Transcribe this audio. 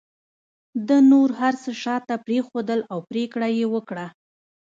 ده نور هر څه شاته پرېښودل او پرېکړه یې وکړه